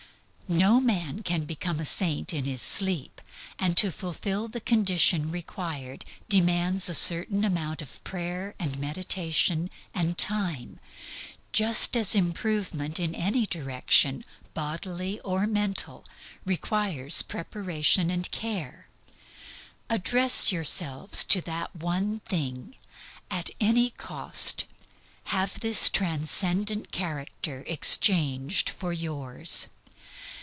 No man can become a saint in his sleep; and to fulfill the condition required demands a certain amount of prayer and meditation and time, just as improvement in any direction, bodily or mental, requires preparation and care. Address yourselves to that one thing; at any cost have this transcendent character exchanged for yours.